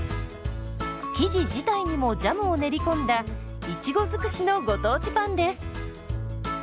生地自体にもジャムを練り込んだいちご尽くしのご当地パンです。